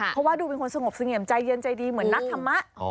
เพราะว่าดูเป็นคนสงบเสงี่ยมใจเย็นใจดีเหมือนนักธรรมะ